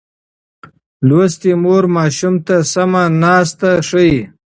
لوستې مور ماشوم ته سمه ناسته ښيي.